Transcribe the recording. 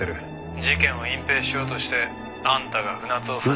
「事件を隠蔽しようとしてあんたが船津を差し向けた」